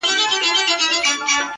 پرون دي بيا راڅه خوښي يووړله;